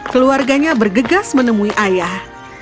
keluarganya bergegas menemui ayah